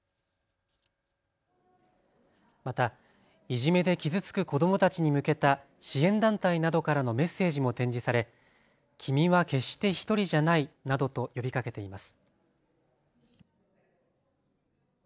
またいじめで傷つく子どもたちに向けた支援団体などからのメッセージも展示され君は決してひとりじゃないなどと呼びかけています。